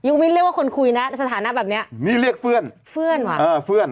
มิ้นเรียกว่าคนคุยนะสถานะแบบเนี้ยนี่เรียกเพื่อนเพื่อนว่ะเออเพื่อน